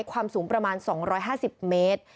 ความสูงประมาณ๒๕๐เมตร